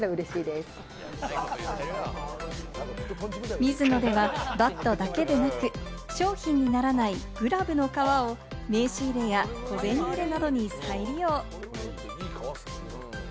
ミズノではバットだけでなく、商品にならないグラブの皮を名刺入れや小銭入れなどに再利用。